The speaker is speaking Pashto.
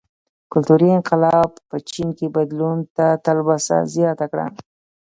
کلتوري انقلاب په چین کې بدلون ته تلوسه زیاته کړه.